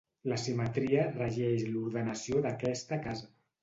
La simetria regeix l'ordenació d'aquesta casa.